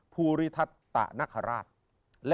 ภูริธัษตนคราช